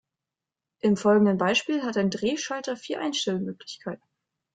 Im folgenden Beispiel hat ein Drehschalter vier Einstellmöglichkeiten.